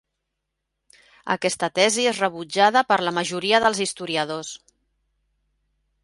Aquesta tesi és rebutjada per la majoria dels historiadors.